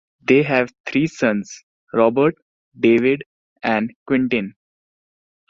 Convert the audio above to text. They have three sons: Robert, David, and Quentin.